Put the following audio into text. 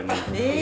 え！